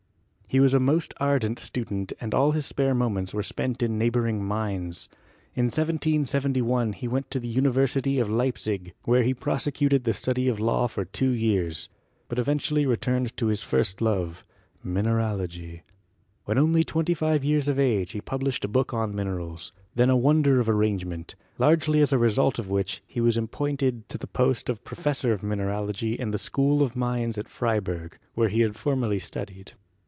He was a most ardent student and all his spare moments were spent in neighboring mines. In 1771 he went to the University of Leipzig, where he prosecuted the study of law for two years, but eventually returned to his first love, mineralogy. When only 25 years of age he published a book on minerals, then a won der of arrangement, largely as a result of which he was appointed to the post of professor of mineralogy in the School of Mines at Freiberg, where he had formerly studied.